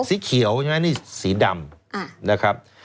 สีเขียวใช่ไหมนี่สีดำนะครับ